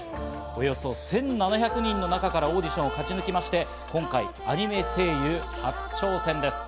およそ１７００人の中からオーディションを勝ち抜きまして、今回アニメ声優初挑戦です。